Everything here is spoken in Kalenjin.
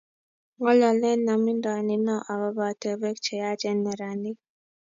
ng'ololen aminde nino akobo atebwek che yaach eng' neranik